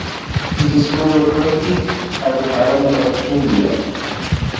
It is fully accredited by the Government of India.